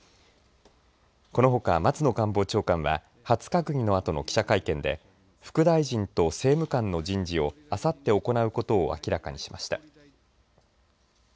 このほか松野官房長官は初閣議のあとの記者会見で副大臣と政務官の人事をあさって行うことを明らかにしました。